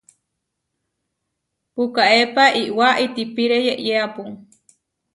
Pukaépa iʼwá itihpíre yeʼyeápu.